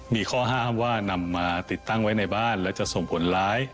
มีข้อห้ามว่านำมาติดตั้งไว้ในบ้านและจะส่งผลร้าย